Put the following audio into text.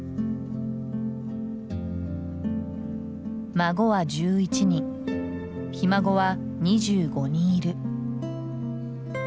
孫は１１人ひ孫は２５人いる。